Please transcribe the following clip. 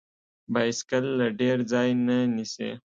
بایسکل له ډیر ځای نه نیسي.